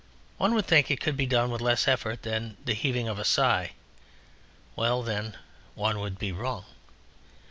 One would think it could be done with less effort than the heaving of a sigh.... Well then, one would be wrong.